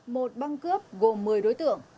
một băng cướp gồm một mươi đối tượng